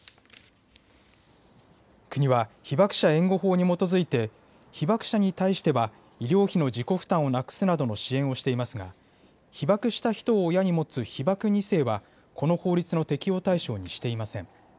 国は被爆者援護法に基づいて被爆者に対しては医療費の自己負担をなくすなどの支援をしていますが被爆した人を親に持つ被爆２世はこの法律の適用対象にしていません。